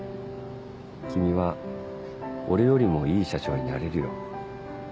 君は俺よりもいい社長になれるよ。